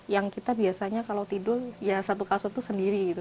yang kita biasanya kalau tidur ya satu kasur itu sendiri gitu